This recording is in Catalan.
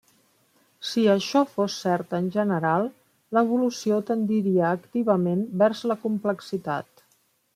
Si això fos cert en general, l'evolució tendiria activament vers la complexitat.